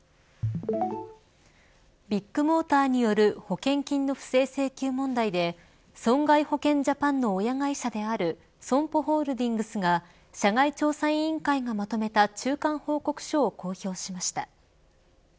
ビッグモーターによる保険金の不正請求問題で損害保険ジャパンの親会社であるＳＯＭＰＯホールディングスが社外調査委員会がまとめた中間報告書を公表しました。